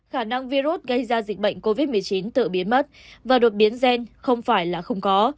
khả năng virus gây ra dịch bệnh covid một mươi chín tự biến mất và đột biến gen không phải là không có